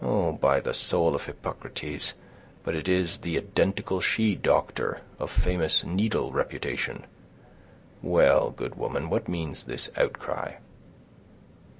Oh! by the soul of Hippocrates, but it is the identical she doctor, of famous needle reputation. Well, good woman, what means this outcry?"